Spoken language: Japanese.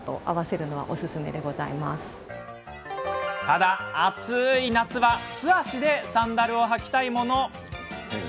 ただ、暑い夏は素足でサンダルを履きたいもの。